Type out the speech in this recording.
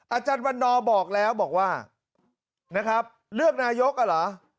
อาจารย์วันนอบอกแล้วบอกว่านะครับเลือกนายกอ่ะเหรอ